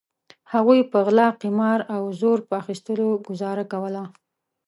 هغوی په غلا قمار او زور په اخیستلو ګوزاره کوله.